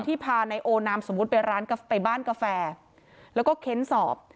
พานายโอนามสมมุติไปร้านไปบ้านกาแฟแล้วก็เค้นสอบ